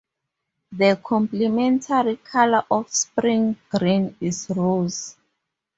The complementary color of "spring green" is rose.